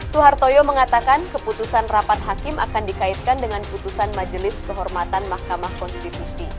suhartoyo mengatakan keputusan rapat hakim akan dikaitkan dengan putusan majelis kehormatan mahkamah konstitusi